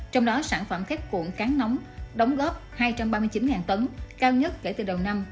trong đó sản phẩm khách cuộn cán nóng đóng góp hai trăm ba mươi chín tấn cao nhất kể từ đầu năm